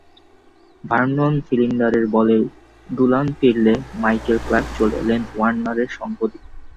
Vernon ফিলিন্ডারের বলে ডুলান ফিরলে Michael Clarke চলে এলেন ওয়ার্নারের সঙ্গ দিতে।